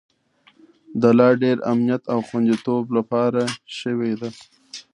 د لا ډیر امنیت او خوندیتوب لپاره شوې ده